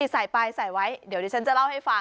ใส่ไปใส่ไว้เดี๋ยวดิฉันจะเล่าให้ฟัง